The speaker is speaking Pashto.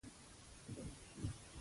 ځینې محصلین د خپلې خوښې لاره نیسي.